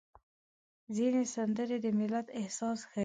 ځینې سندرې د ملت احساس ښيي.